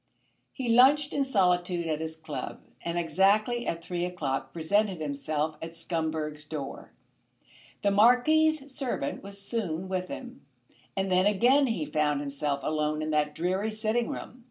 He lunched in solitude at his club, and exactly at three o'clock presented himself at Scumberg's door. The Marquis's servant was soon with him, and then again he found himself alone in that dreary sitting room.